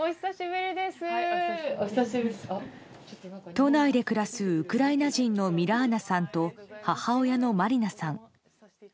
都内で暮らすウクライナ人のミラーナさんと母親のマリナさん。